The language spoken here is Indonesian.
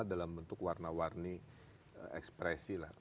dalam bentuk warna warni ekspresi lah